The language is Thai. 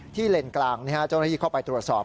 เลนกลางเจ้าหน้าที่เข้าไปตรวจสอบ